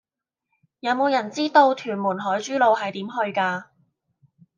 有無人知道屯門海珠路係點去㗎